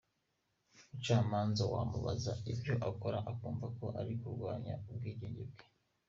Umucamanza wamubaza ibyo akora akumva ko uri kurwanya ubwigenge bwe.